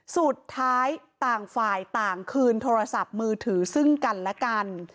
ต่างฝ่ายต่างคืนโทรศัพท์มือถือซึ่งกันและกัน